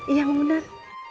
iya bu nur